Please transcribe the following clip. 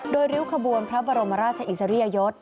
โดยริ้วขบวนพระบรมราชอิสริยยศ